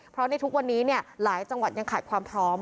เพราะในทุกวันนี้หลายจังหวัดยังขาดความพร้อม